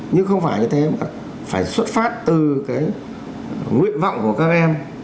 nhưng không phải như thế mà phải xuất phát từ cái nguyện vọng của các em